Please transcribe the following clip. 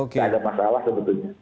tidak ada masalah sebetulnya